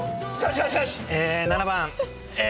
７番え。